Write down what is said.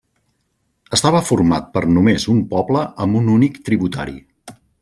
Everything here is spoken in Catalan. Estava format per només un poble amb un únic tributari.